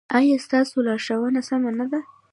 ایا ستاسو لارښوونه سمه نه ده؟